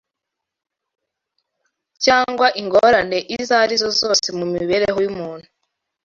cyangwa ingorane izo ari zose mu mibereho y’umuntu